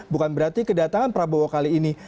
bukan berarti kedatangan prabowo kali ini